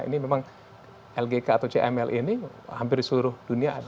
ini memang lgk atau cml ini hampir seluruh dunia ada